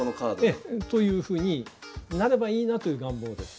ええ。というふうになればいいなという願望です。